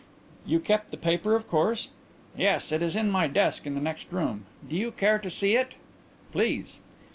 '" "You kept the paper, of course?" "Yes. It is in my desk in the next room. Do you care to see it?" "Please."